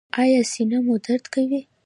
ایا سینه مو درد کوي؟